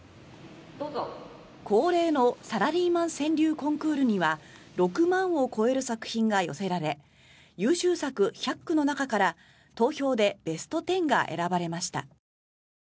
恒例のサラリーマン川柳コンクールには６万を超える作品が寄せられ優秀作１００句の中から投票でベスト１０が選ばれました。